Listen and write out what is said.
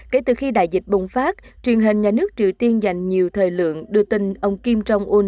kể từ khi đại dịch bùng phát truyền hình nhà nước triều tiên dành nhiều thời lượng đưa tin ông kim jong un